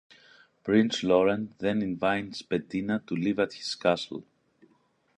Prince Laurent then invites Bettina to live at his castle.